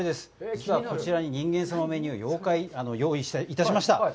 実はこちら、人間様メニューを用意いたしました。